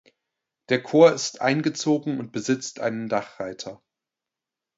Der Chor ist eingezogen und besitzt einen Dachreiter.